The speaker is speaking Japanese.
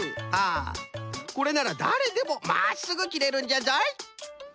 これならだれでもまっすぐ切れるんじゃぞい。